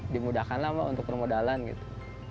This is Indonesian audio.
dimudahkan lah mbak untuk permodalan gitu